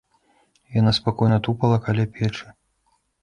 Яна спакойна тупала каля печы.